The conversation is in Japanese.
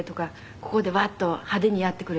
ここでワッと派手にやってくれとかね。